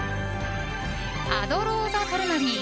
アドローザトルマリィ。